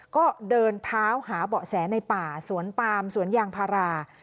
ก็เดินเท้าหาเบาะแสในป่าสวนปามสวนยางพารา